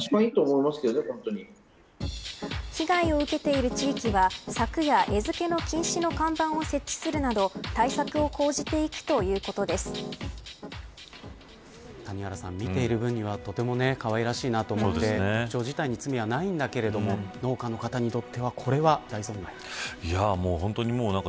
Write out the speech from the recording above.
被害を受けている地域は柵や、餌付けの禁止の看板を設置するなど対策を谷原さん、見ている分にはとてもかわいらしいなと思うんですけどハクチョウ自体に罪はないんだけど農家の方にとってはこれは大損害。